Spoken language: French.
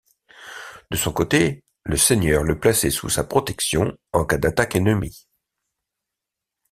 De son côté, le seigneur le plaçait sous sa protection en cas d'attaque ennemie.